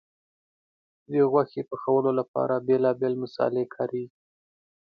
د غوښې پخولو لپاره بیلابیل مسالې کارېږي.